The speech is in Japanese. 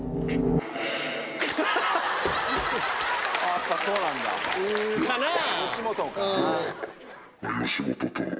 やっぱそうなんだ。かなぁ？